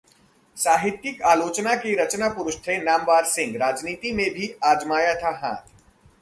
साहित्यिक आलोचना के रचना पुरुष थे नामवर सिंह, राजनीति में भी आजमाया था हाथ